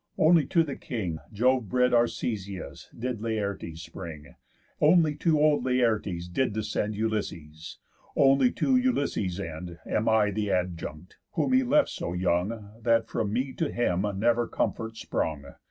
Only to the king, Jove bred Arcesius, did Laertes spring; Only to old Laertes did descend Ulysses; only to Ulysses' end Am I the adjunct, whom he left so young, That from me to him never comfort sprung.